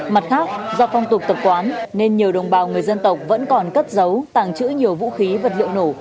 mặt khác do phong tục tập quán nên nhiều đồng bào người dân tộc vẫn còn cất giấu tàng trữ nhiều vũ khí vật liệu nổ